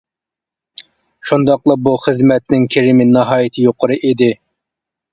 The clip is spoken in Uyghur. شۇنداقلا بۇ خىزمەتنىڭ كىرىمى ناھايىتى يۇقىرى ئىدى.